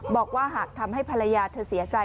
บอกว่าหากทำให้ภรรยาเธอเสียใจ